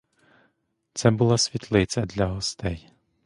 Це була світлиця для гостей.